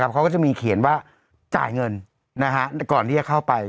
เขาก็จะมีเขียนว่าจ่ายเงินก่อนที่จะเข้าไป